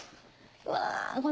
うわ。